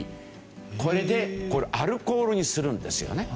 これでアルコールにするんですよね。